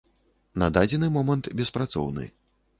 На дадзены момант беспрацоўны.